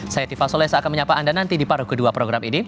saya tifa solesa akan menyapa anda nanti di paruh kedua program ini